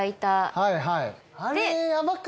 はいはい。